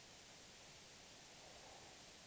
ملالۍ خپل پلار سره راغلې وه.